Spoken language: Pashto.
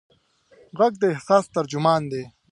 غږ د احساس ترجمان دی.